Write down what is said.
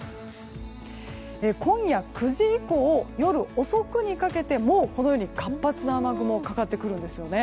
今夜９時以降、夜遅くにかけてもう活発な雨雲がかかってくるんです。